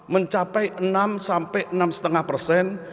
mencapai enam sampai enam lima persen